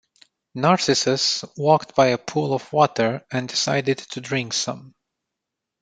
Narcissus walked by a pool of water and decided to drink some.